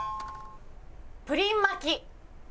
プリン巻き。